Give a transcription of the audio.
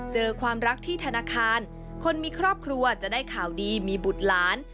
เจอความรักที่ธนาคารคนมีครอบครัวจะได้ข่าวดีมีบุตรหลาน